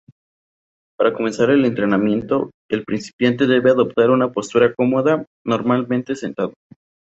Para comenzar el entrenamiento el principiante debe adoptar una postura cómoda, normalmente sentado.